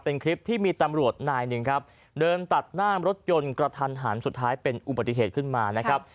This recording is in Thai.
เป็นคลิปที่มีตำรวจนายหนึ่งครับเดินตัดหน้ารถยนต์กระทันหันสุดท้ายเป็นอุบัติเหตุขึ้นมานะครับ